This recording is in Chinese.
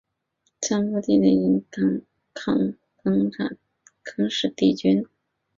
三辅各地起兵对抗更始帝军。